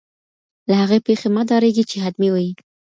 له هغې پېښې مه ډاریږئ چي حتمي وي.